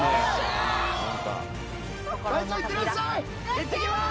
行ってきます